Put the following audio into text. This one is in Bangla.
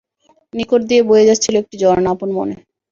নিকট দিয়ে বয়ে যাচ্ছিল একটি ঝর্ণা আপন মনে।